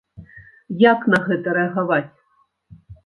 Як на гэта рэагаваць?